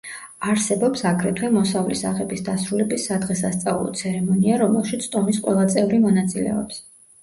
არსებობს, აგრეთვე, მოსავლის აღების დასრულების სადღესასწაულო ცერემონია, რომელშიც ტომის ყველა წევრი მონაწილეობს.